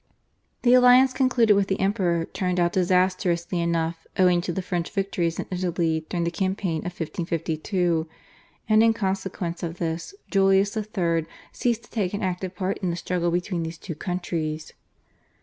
The alliance concluded with the Emperor turned out disastrously enough owing to the French victories in Italy during the campaign of 1552, and in consequence of this Julius III. ceased to take an active part in the struggle between these two countries.